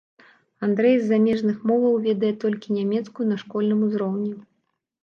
Андрэй з замежных моваў ведае толькі нямецкую на школьным узроўні.